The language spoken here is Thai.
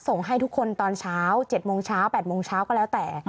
ส่งให้ทุกคนตอนเช้า๗โมงเช้า๘โมงเช้าก็แล้วแต่